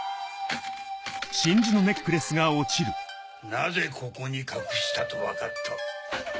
なぜここに隠したと分かった？